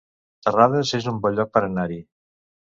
Terrades es un bon lloc per anar-hi